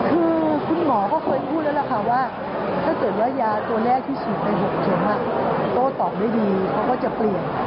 คือคุณหมอก็เคยพูดแล้วล่ะค่ะว่าถ้าเกิดว่ายาตัวแรกที่ฉีดไป๖เข็มโต้ตอบได้ดีเขาก็จะเปลี่ยน